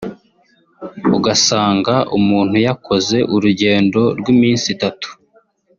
ugasanga umuntu yakoze urugendo rw’iminsi itatu